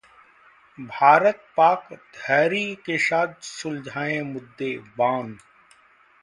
भारत-पाक धैर्य के साथ सुलझाये मुद्दे: बान